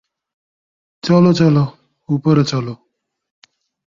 চলো চলো, উপরে চলো।